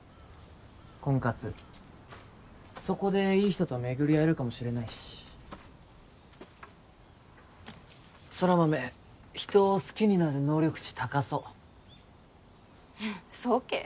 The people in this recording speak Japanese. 婚活そこでいい人と巡りあえるかもしれないし空豆人を好きになる能力値高そうそうけ？